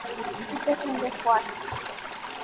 Kuja twende kwake.